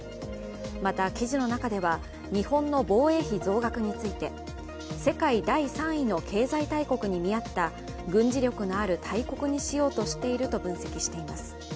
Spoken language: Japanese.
また、記事の中では日本の防衛費増額について世界第３位の経済大国に見合った軍事力のある大国にしようとしていると分析しています。